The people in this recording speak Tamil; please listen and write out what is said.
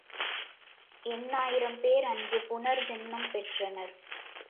எண்ணாயிரம் பேர் அன்று புனர் ஜென்மம் பெற்றனர்.